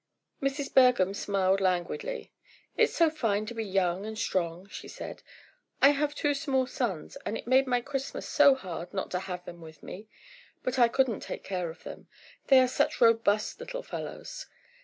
Mrs. Bergham smiled languidly. "It's so fine to be young and strong," she said. "I have two small sons, and it made my Christmas so hard not to have them with me. But I couldn't take care of them. They are such robust little fellows!